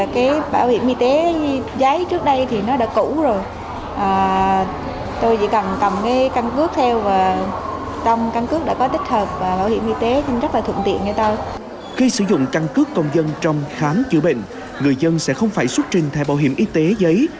khi sử dụng căn cước công dân trong khám chữa bệnh người dân sẽ không phải xuất trình thẻ bảo hiểm y tế giấy